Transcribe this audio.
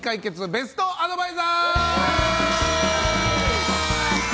ベストアドバイザー！